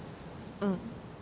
うん。